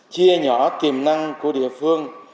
chia nhỏ tiềm năng của địa phương